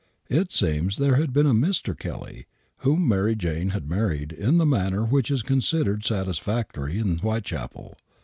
.> It seems there had been a Mr. Kelly, whom Mary Jane had married in the manner which is considered satisfactory in White chapel.